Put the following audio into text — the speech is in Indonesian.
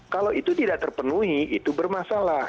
kalau itu tidak terpenuhi itu bermasalah